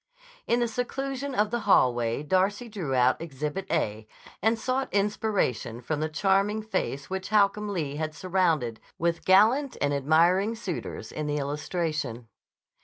In the seclusion of the hallway Darcy drew out Exhibit A and sought inspiration from the charming face which Holcomb Lee had surrounded with gallant and admiring suitors in the illustration.